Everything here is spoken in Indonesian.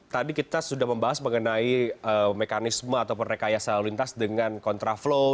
tadi kita sudah membahas mengenai mekanisme atau perrekayasa lintas dengan kontraflow